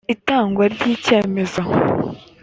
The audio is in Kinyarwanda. itangwa ry icyemezo